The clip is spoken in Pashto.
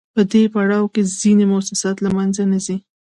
په دې پړاو کې ځینې موسسات له منځه نه ځي